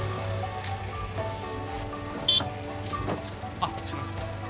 あっすいません。